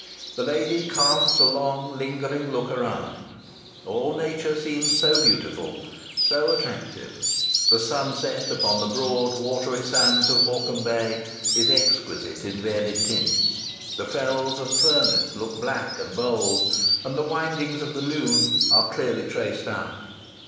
The lady casts a long, lingering look around. All nature seems so beautiful so attractive. The sunset upon the broad watery sands of Morecambe Bay is exquisite in varied tints. The fells of Furness look black and bold, and the windings of the Lune are clearly traced out.